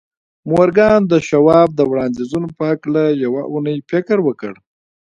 مورګان د شواب د وړاندیزونو په هکله یوه اونۍ فکر وکړ